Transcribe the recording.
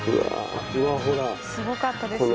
すごかったですね。